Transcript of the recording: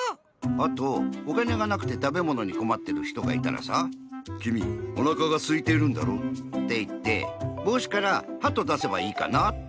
あとおかねがなくてたべものにこまってるひとがいたらさ「きみおなかがすいてるんだろ？」っていってぼうしからハトだせばいいかなぁって。